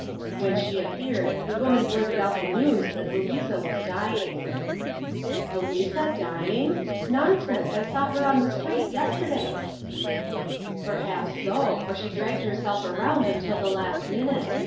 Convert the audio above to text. When she appeared, the woman blurted out the news that Louisa was dying. "Louisa dying? Nonsense, I saw her on the street yesterday." "Perhaps so, for she dragged herself around until the last minute.